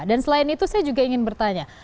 dan selain itu saya juga ingin bertanya